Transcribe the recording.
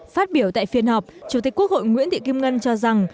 phát biểu tại phiên họp chủ tịch quốc hội nguyễn thị kim ngân cho rằng